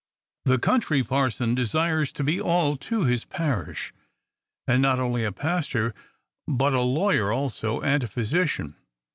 The Country Parson desires to be all to his parish ; and not only a pastor, but a lawyer also, and a physician.